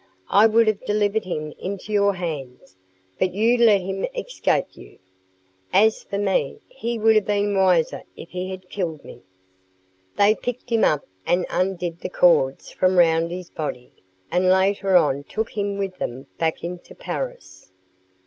I would have delivered him into your hands. But you let him escape you. As for me, he would have been wiser if he had killed me." They picked him up and undid the cords from round his body, and later on took him with them back into Paris.